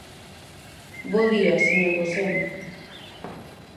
Bo día, señor Gosende.